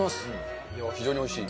非常においしい。